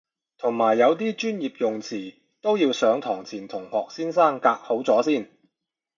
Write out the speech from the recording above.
同埋有啲專業用詞都要上堂前同學生夾好咗先